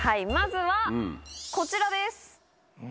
まずはこちらです。